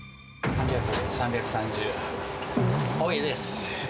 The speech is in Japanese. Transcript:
３３０、多いです。